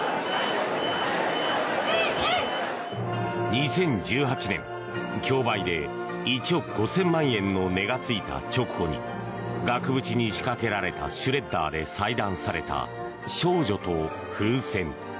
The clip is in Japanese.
２０１８年、競売で１億５０００万円の値がついた直後に額縁に仕掛けられたシュレッダーで裁断された「少女と風船」。